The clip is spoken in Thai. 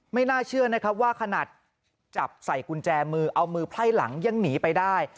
ไม่น่าเชื่อนะครับว่าขนาดจับใส่กุญแจมือเอามือไพ่หลังยังหนีไปได้